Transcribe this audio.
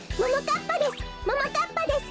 ちぃかっぱです。